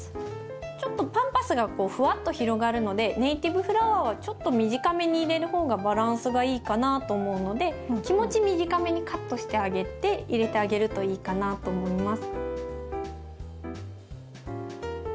ちょっとパンパスがこうふわっと広がるのでネイティブフラワーはちょっと短めに入れる方がバランスがいいかなと思うので気持ち短めにカットしてあげて入れてあげるといいかなと思います。